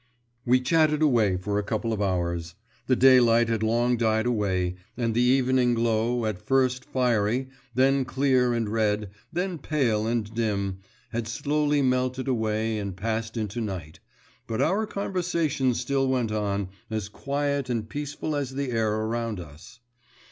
We chatted away for a couple of hours. The daylight had long died away, and the evening glow, at first fiery, then clear and red, then pale and dim, had slowly melted away and passed into night, but our conversation still went on, as quiet and peaceful as the air around us.